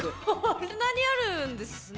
こんなにあるんですね。